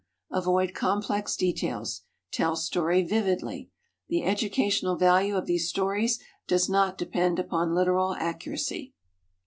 Avoid complex details. Tell story vividly. "The educational value of these stories does not depend upon literal accuracy."